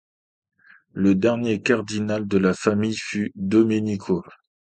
Le dernier cardinal de la famille fut Domenico.